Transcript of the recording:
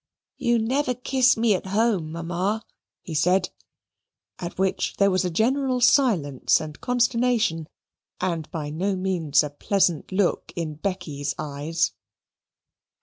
"You never kiss me at home, Mamma," he said, at which there was a general silence and consternation and a by no means pleasant look in Becky's eyes.